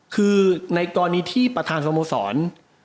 คือในกรณีที่ประธานสโมสร